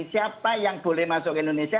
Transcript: siapa yang boleh masuk ke indonesia